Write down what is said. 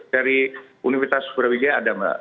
dari universitas superbiga ada nggak